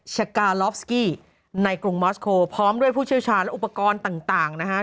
ชะกาลอฟสกี้ในกรุงมอสโคพร้อมด้วยผู้เชี่ยวชาญและอุปกรณ์ต่างนะฮะ